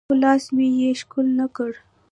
خو لاس مې يې ښکل نه کړ.